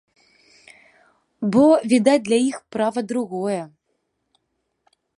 Бо, відаць, для іх права другое.